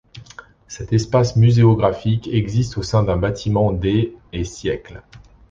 Cet espace muséographique existe au sein d'un bâtiment des et siècles.